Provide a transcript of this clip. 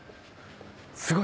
すごい。